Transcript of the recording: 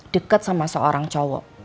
deket sama seorang cowok